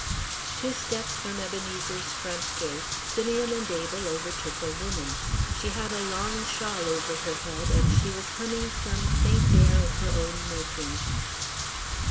Two steps from Ebenezer's front gate, Simeon and Abel overtook a woman. She had a long shawl over her head, and she was humming some faint air of her own making.